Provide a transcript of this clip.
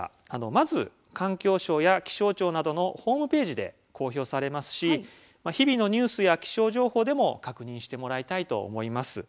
まず環境省や気象庁などのホームページで公表されますし日々のニュースや気象情報でも確認してもらいたいと思います。